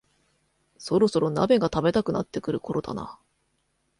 そろそろ鍋が食べたくなってくるころだな